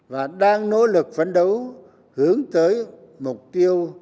và đang nỗ lực phấn đấu hướng tới mục tiêu